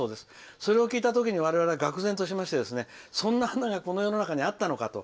それを聞いた時に我々はがく然としましてそんな花がこの世の中にあったのかと。